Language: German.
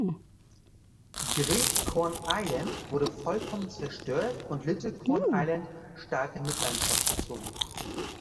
Great Corn Island wurde vollkommen zerstört und Little Corn Island stark in Mitleidenschaft gezogen.